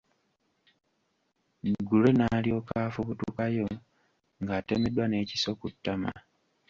Gray n'alyoka afubutukayo ng'atemeddwa n'ekiso ku ttama